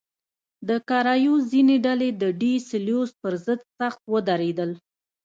د کارایوس ځینې ډلې د ډي سلوس پر ضد سخت ودرېدل.